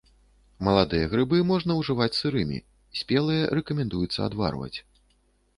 Маладыя грыбы можна ўжываць сырымі, спелыя рэкамендуецца адварваць.